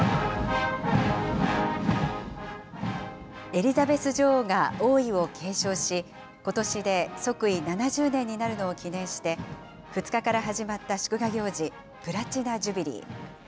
エリザベス女王が王位を継承し、ことしで即位７０年になるのを記念して、２日から始まった祝賀行事、プラチナ・ジュビリー。